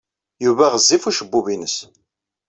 Yuba ɣezzif ucebbub-nnes.